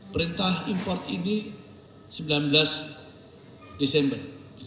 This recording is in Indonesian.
perintah import ini sembilan belas desember